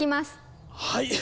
はい。